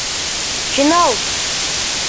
Финал!